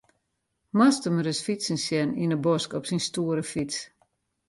Moatst him ris fytsen sjen yn 'e bosk op syn stoere fyts.